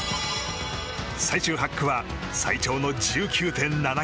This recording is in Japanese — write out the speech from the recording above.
最終８区は最長の１９．７ｋｍ。